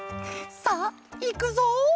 さあいくぞ」。